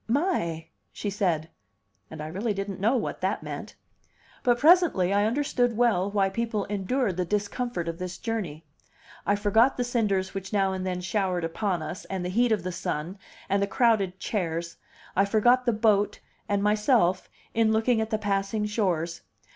"My!" she said. And I really don't know what that meant. But presently I understood well why people endured the discomfort of this journey. I forgot the cinders which now and then showered upon us, and the heat of the sun, and the crowded chairs; I forgot the boat and myself, in looking at the passing shores.